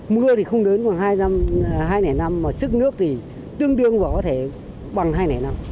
mưa thì không lớn bằng hai nẻ năm mà sức nước thì tương đương có thể bằng hai nẻ năm